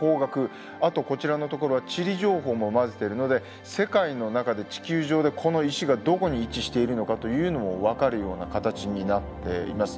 あとこちらのところは地理情報も混ぜているので世界の中で地球上でこの石がどこに位置しているのかというのも分かるような形になっています。